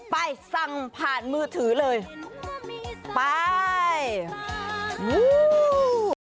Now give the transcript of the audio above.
ไปสั่งผ่านมือถือเลยไปมู